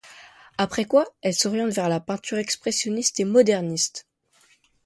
Après quoi, elle s'oriente vers la peinture expressionniste et moderniste.